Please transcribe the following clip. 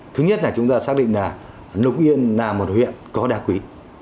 thứ nhất là chúng ta xác định là lục yên là một huyện có đá quý